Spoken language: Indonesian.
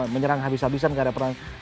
menyerang habis habisan ke area pertahanan